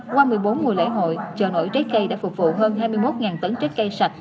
qua một mươi bốn mùa lễ hội chợ nổi trái cây đã phục vụ hơn hai mươi một tấn trái cây sạch